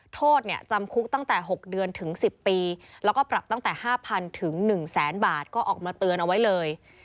โทษเนี่ยจำคุกตั้งแต่๖เดือนถึง๑๐ปีแล้วก็ปรับตั้งแต่๕๐๐ถึง๑แสนบาทก็ออกมาเตือนเอาไว้เลย